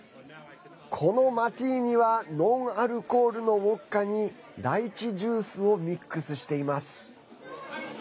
このマティーニはノンアルコールのウォッカにライチジュースをミックスしています。